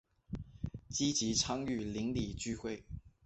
积极参与邻里聚会